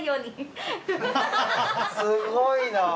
すごいな！